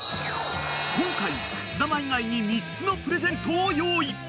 ［今回くす玉以外に３つのプレゼントを用意］